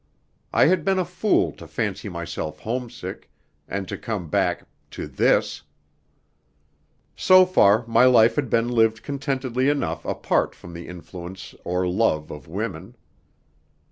I had been a fool to fancy myself homesick, and to come back to this. So far my life had been lived contentedly enough apart from the influence or love of women.